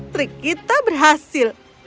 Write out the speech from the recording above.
trik kita berhasil